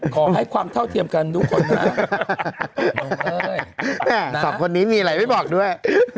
ขอให้ความเท่าเทียมกันทุกคนนะสองคนนี้มีอะไรไม่บอกด้วย